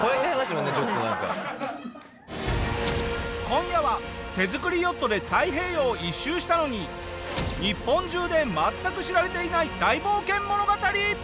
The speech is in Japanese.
今夜は手作りヨットで太平洋一周したのに日本中で全く知られていない大冒険物語！